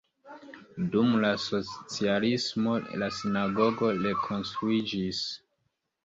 Dum la socialismo la sinagogo rekonstruiĝis.